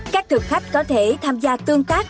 các thực khách có thể tham gia tương tác